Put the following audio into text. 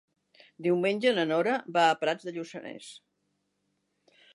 Diumenge na Nora va a Prats de Lluçanès.